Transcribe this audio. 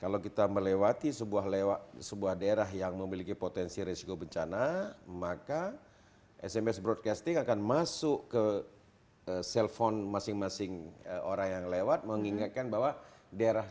kalau kita melewati sebuah daerah yang memiliki potensi risiko bencana maka sms broadcasting akan masuk ke cellphone masing masing orang yang lewat mengingatkan bahwa daerah di situ adalah daerah yang lebih luas